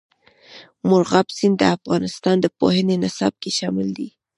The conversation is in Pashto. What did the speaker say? مورغاب سیند د افغانستان د پوهنې نصاب کې شامل دی.